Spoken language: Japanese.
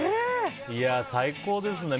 最高ですね。